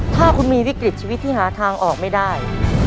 ถ้าคุณมีวิกฤตชีวิตที่หาทางออกไม่ได้